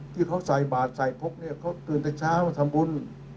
ที่เขาใส่บาทใส่พกเขาตื่นตั้งเช้าทำบุญ